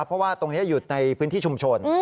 เพราะว่าตรงนี้หยุดในพื้นที่ชุมชน